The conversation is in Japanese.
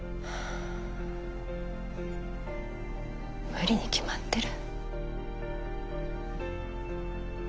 無理に決まってる。